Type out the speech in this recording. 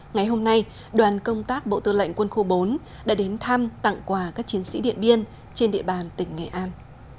ngày hôm nay đoàn công tác bộ tư lệnh quân khu bốn đã đến thăm tặng quà các chiến sĩ điện biên trên địa bàn tỉnh nghệ an